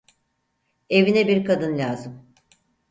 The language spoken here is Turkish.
Evine bir kadın lazım.